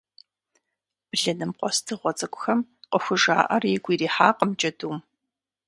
Блыным къуэс дзыгъуэ цӏыкӏухэм къыхужаӏэр игу ирихьакъым джэдум.